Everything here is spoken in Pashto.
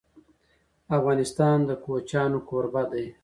افغانستان د کوچیان کوربه دی.